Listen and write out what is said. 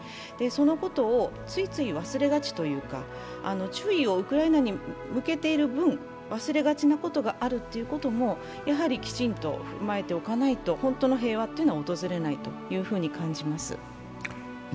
そのことをついつい忘れがちというか、注意をウクライナに向けている分忘れがちなものがあるということをきちんと踏まえておかないと本当の平和というのは訪れないと感じます。